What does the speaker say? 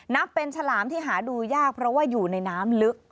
นับเป็นฉลามที่หาดูยากเพราะว่าอยู่ในน้ำลึก